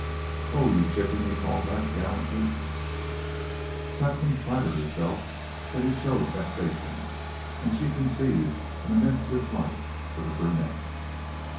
"Oh, you chicken," he called back gallantly. Saxon flattered herself that he showed vexation, and she conceived an immense dislike for the brunette.